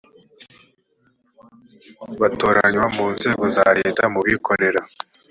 batoranywa mu nzego za leta mu bikorera